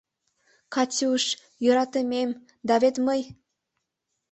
— Катюш, йӧратымем, да вет мый...